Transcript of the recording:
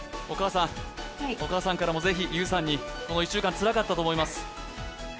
お母さんからもぜひ優さんに、この１週間つらかったと思います。